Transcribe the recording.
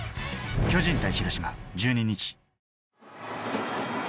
巨人対広島、１２日。